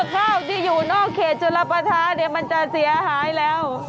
ข้าวที่อยู่นอกเขตจุลปะทะเนี่ยมันจะเสียหายแล้ว